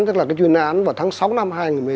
tức là chuyên án vào tháng sáu năm hai nghìn một mươi năm